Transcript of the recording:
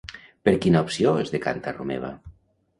Per quina opció es decanta Romeva?